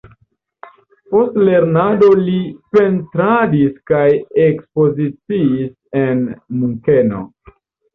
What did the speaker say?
Post lernado li pentradis kaj ekspoziciis en Munkeno.